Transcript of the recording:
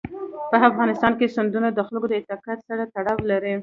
په افغانستان کې سیندونه د خلکو د اعتقاداتو سره تړاو لري.